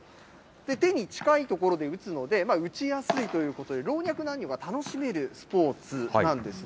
手に近いところで打つので、打ちやすいということで、老若男女が楽しめるスポーツなんですね。